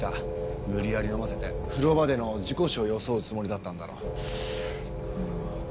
無理やり飲ませて風呂場での事故死を装うつもりだったんだろう。